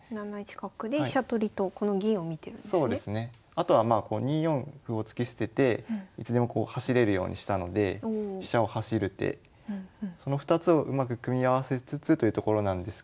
あとはまあ２四歩を突き捨てていつでもこう走れるようにしたので飛車を走る手その２つをうまく組み合わせつつというところなんですけど。